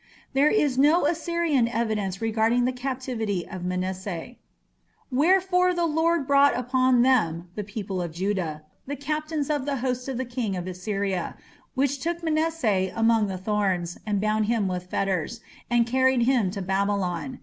There is no Assyrian evidence regarding the captivity of Manasseh. "Wherefore the Lord brought upon them (the people of Judah) the captains of the host of the king of Assyria, which took Manasseh among the thorns, and bound him with fetters, and carried him to Babylon.